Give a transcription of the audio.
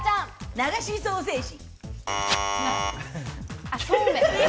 流しソーセージ。